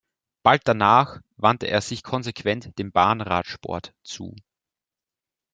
Bald danach wandte er sich konsequent dem Bahnradsport zu.